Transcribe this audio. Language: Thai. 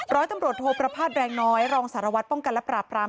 ร้อยตำรวจโทประพาทแรงน้อยรองสารวัตรป้องกันและปราบราม